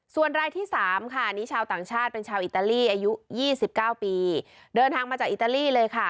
ส่วนรายที่๓ค่ะนี้ชาวต่างชาติเป็นชาวอิตาลีอายุ๒๙ปีเดินทางมาจากอิตาลีเลยค่ะ